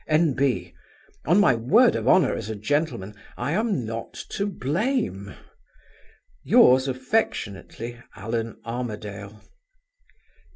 "N. B. On my word of honor as a gentleman, I am not to blame. Yours affectionately, "ALLAN ARMADALE.